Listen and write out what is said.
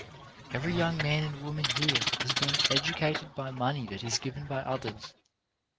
Every young man and woman here is being edu cated by money that is given by others.